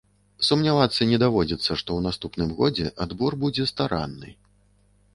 Сумнявацца не даводзіцца, што ў наступным годзе адбор будзе старанны.